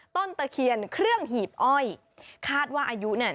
ตะเคียนเครื่องหีบอ้อยคาดว่าอายุเนี่ย